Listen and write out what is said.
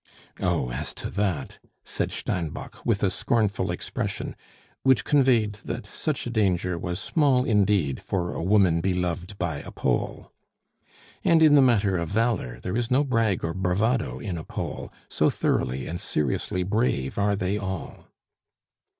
"Oh, as to that!" said Steinbock, with a scornful expression, which conveyed that such a danger was small indeed for a woman beloved by a Pole. And in the matter of valor there is no brag or bravado in a Pole, so thoroughly and seriously brave are they all.